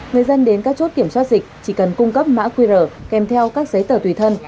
người dân đến các chốt kiểm soát dịch chỉ cần cung cấp mã qr kèm theo các giấy tờ tùy thân